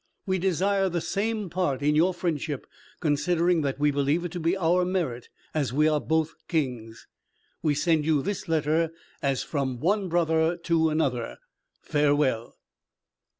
We desire the same part in your friendship, considering that we believe it to be our merit, as we are both kings. We send you this letter as from one brother to another. Farewell."